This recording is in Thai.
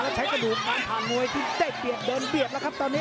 แล้วใช้กระดูกการผ่านมวยที่ได้เปรียบเดินเบียดแล้วครับตอนนี้